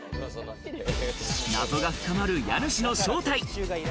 謎が深まる家主の正体。